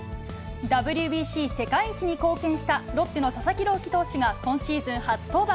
ＷＢＣ世界一に貢献したロッテの佐々木朗希投手が今シーズン初登板。